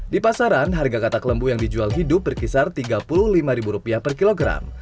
di pasaran harga katak lembu yang dijual hidup berkisar rp tiga puluh lima per kilogram